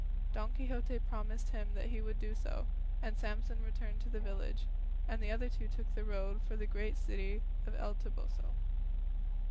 Don Quixote promised him he would do so, and Samson returned to the village, and the other two took the road for the great city of El Toboso.